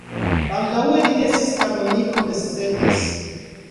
Baldaŭe li estis kanoniko de Szepes.